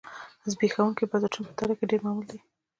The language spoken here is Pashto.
زبېښونکي بنسټونه په تاریخ کې ډېر معمول دي